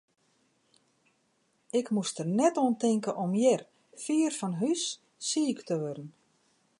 Ik moast der net oan tinke om hjir, fier fan hús, siik te wurden.